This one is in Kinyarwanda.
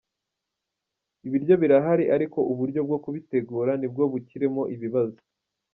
Ibiryo birahari ariko uburyo bwo kubitegura ni bwo bukirimo ibibazo.